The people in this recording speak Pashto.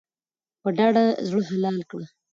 په ډاډه زړه حلال کړه.